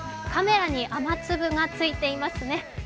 カメラに雨粒がついていますね。